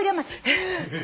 えっ。